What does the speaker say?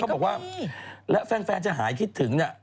บอกว่าแล้วแฟนจะหายคิดถึงเนี่ย